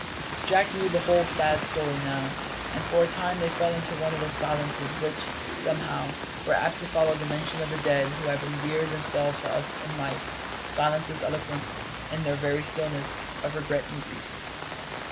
Jack knew the whole sad story now, and for a time they fell into one of those silences which, somehow, are apt to follow the mention of the dead who have endeared themselves to us in life silences eloquent, in their very stillness, of regret and grief.